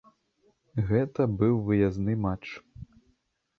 Гэта быў выязны матч.